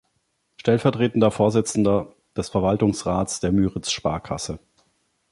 Stellvertretender Vorsitzender des Verwaltungsrats der Müritz-Sparkasse.